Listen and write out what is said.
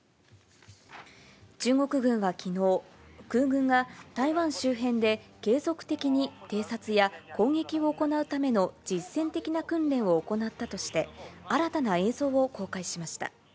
中国軍はきのう、空軍が台湾周辺で継続的に偵察や攻撃を行うための実戦的な訓練を行ったとして、新たな映像を公開しました。